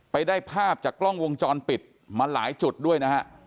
ได้ภาพจากกล้องวงจรปิดมาหลายจุดด้วยนะฮะ